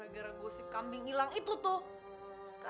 aduh musti gimana ya